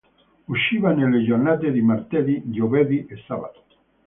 Usciva nelle giornate di martedì, giovedì e sabato.